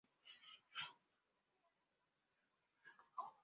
Iminwa ibeshya ni ikizira kuri yo. Ivuga ko mu murwa Wera